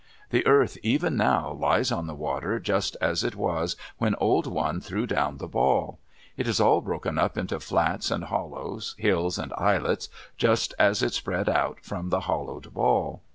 The earth even now lies on the water just as it was when Old One threw down the ball. It is all broken up into flats and hollows, hills and islets, just as it spread out from the hollowed ball.